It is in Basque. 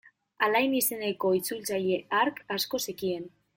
Alain izeneko itzultzaile hark asko zekien.